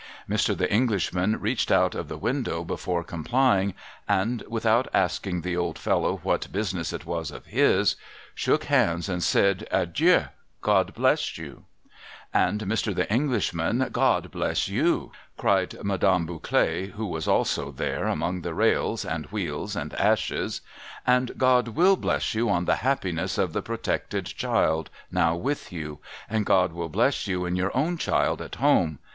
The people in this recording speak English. Mr. The Englishman reached out of the window before complying, and — without asking the old fellow what business it was of his — shook hands and said, ' Adieu ! Ciod bless you !'' And, Mr. The Englishman, God bless yon 1 ' cried Madame Bouclet, who was also there among the rails and wheels and ashes. 'And God will bless you in the happiness of the protected child now with you. And God will bless you in your own child at home.